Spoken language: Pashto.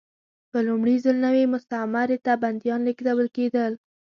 په لومړي ځل نوې مستعمرې ته بندیان لېږدول کېدل.